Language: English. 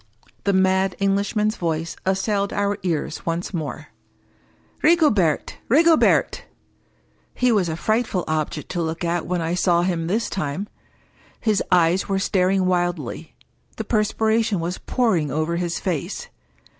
The mad Englishman's voice assailed our ears once again. "Rigobert! Rigobertl" He was a frightful object to look at when I saw him this time. His eyes were staring wildly; the perspiration was pouring over his face.